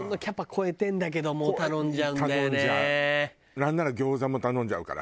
なんなら餃子も頼んじゃうから。